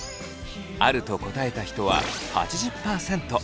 「ある」と答えた人は８０％。